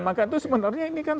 maka itu sebenarnya ini kan